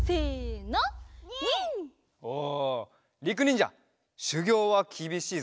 おりくにんじゃしゅぎょうはきびしいぞ。